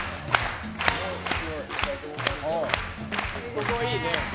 ここいいね。